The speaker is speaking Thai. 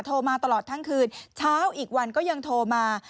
โทรมาตลอดทั้งคืนเช้าอีกวันก็ยังโทรมา